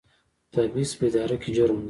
تبعیض په اداره کې جرم دی